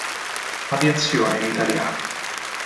Aviazione italiana